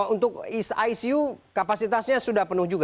untuk icu kapasitasnya sudah penuh juga